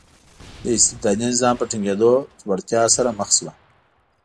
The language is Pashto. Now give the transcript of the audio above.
د استبدادي نظام په ټینګېدو ځوړتیا سره مخ شو.